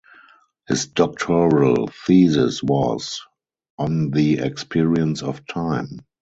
His doctoral thesis was "On the Experience of Time".